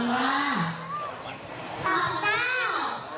และของปฏิญาณตนว่า